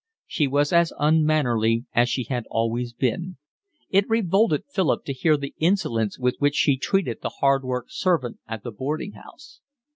She was as unmannerly as she had always been. It revolted Philip to hear the insolence with which she treated the hard worked servant at the boarding house.